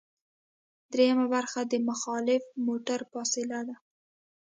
دریمه برخه د مخالف موټر فاصله ده